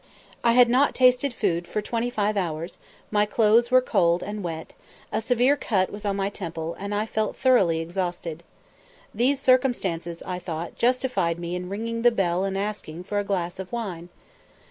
I had not tasted food for twenty five hours, my clothes were cold and wet, a severe cut was on my temple, and I felt thoroughly exhausted. These circumstances, I thought, justified me in ringing the bell and asking for a glass of wine.